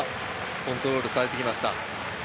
コントロールされてきました。